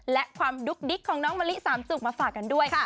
และความดุ๊กดิ๊กของน้องมะลิสามจุกมาฝากกันด้วย